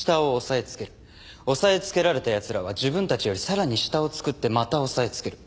抑えつけられた奴らは自分たちよりさらに下を作ってまた抑えつける。